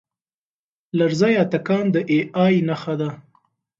لرزه یا تکان د اې ای نښه ده.